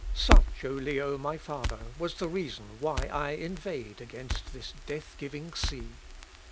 Such, O Leo, my father, was the reason why I inveighed against this death giving see.